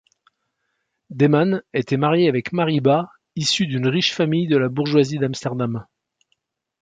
Deyman était marié avec Marie Bas, issue d'une riche famille de la bourgeoisie d'Amsterdam.